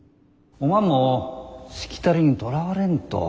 おまんもしきたりにとらわれんと。